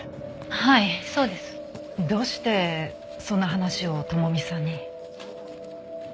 はいそうです。どうしてその話を朋美さんに？